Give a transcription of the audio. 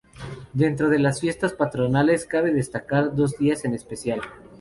Dentro de las fiestas patronales cabe destacar dos días en especial.